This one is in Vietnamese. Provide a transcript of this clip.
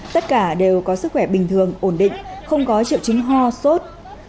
tất cả đều có sức khỏe bình thường ổn định không có triệu chứng ho sốt